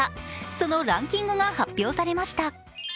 そのランキングが発表されました。